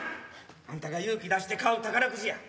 あんたが勇気出して買う宝くじや。